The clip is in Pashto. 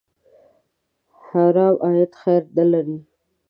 حرام عاید خیر نه لري.